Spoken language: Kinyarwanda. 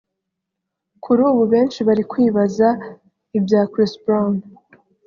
Kuri ubu benshi bari kwibaza ibya Chris Brown